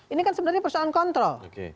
ini kan sebenarnya persoalan kontrol